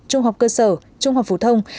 trung học cơ sở trung học phủ thông